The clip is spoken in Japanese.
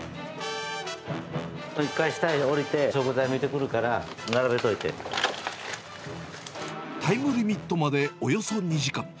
一回下へ降りて、食材見てくタイムリミットまでおよそ２時間。